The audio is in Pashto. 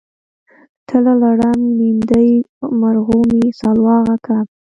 تله لړم لیندۍ مرغومی سلواغه کب